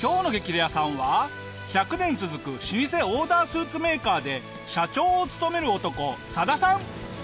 レアさんは１００年続く老舗オーダースーツメーカーで社長を務める男サダさん。